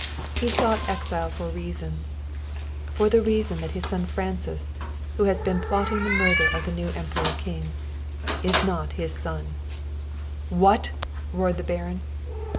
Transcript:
He sought exile for reasons for the reason that his son Francis, who has been plotting the murder of the new Emperor king, is not his son!" "What!" roared the Baron.